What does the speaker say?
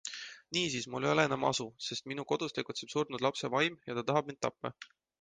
Niisiis, mul ei ole enam asu, sest minu kodus tegutseb surnud lapse vaim ja ta tahab mind tappa.